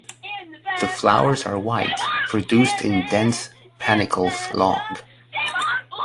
The flowers are white, produced in dense panicles long.